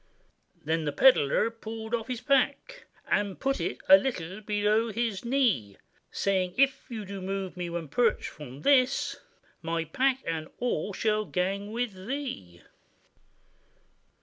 Then the pedlar he pulled off his pack, And put it a little below his knee, Saying, 'If you do move me one perch from this, My pack and all shall gang with thee.